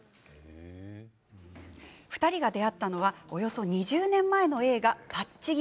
２人が出会ったのはおよそ２０年前の映画「パッチギ！」。